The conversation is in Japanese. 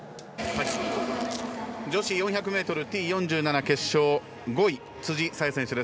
女子４００ｍＴ４７決勝５位、辻沙絵選手です。